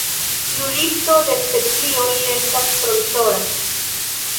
Tiu listo de specioj estas provizora.